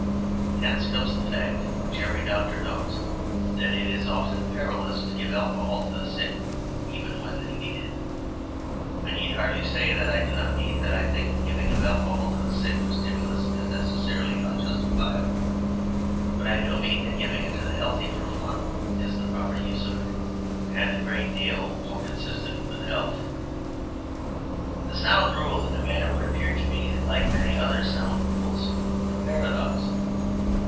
Hence comes the fact which every doctor knows, that it is often perilous to give alcohol to the sick even when they need it. I need hardly say that I do not mean that I think the giving of alcohol to the sick for stimulus is necessarily unjustifiable. But I do mean that giving it to the healthy for fun is the proper use of it, and a great deal more consistent with health. The sound rule in the matter would appear to be like many other sound rules a paradox.